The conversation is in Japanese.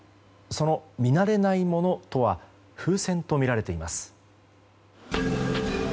その見慣れないものとは風船とみられています。